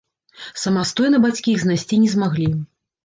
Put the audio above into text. Самастойна бацькі іх знайсці не змаглі.